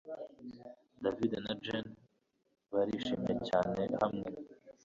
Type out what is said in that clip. David na Jane barishimye cyane hamwe